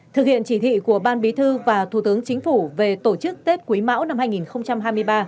thực hiện chỉ thị của ban bí thư và thủ tướng chính phủ về tổ chức tết quý mão năm hai nghìn hai mươi ba